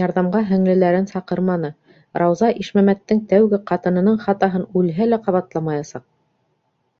Ярҙамға һеңлеләрен саҡырманы: Рауза Ишмәмәттең тәүге ҡатынының хатаһын үлһә лә ҡабатламаясаҡ!